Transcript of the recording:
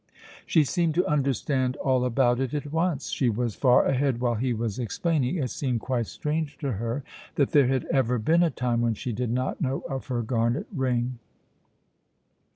She seemed to understand all about it at once. She was far ahead while he was explaining. It seemed quite strange to her that there had ever been a time when she did not know of her garnet ring.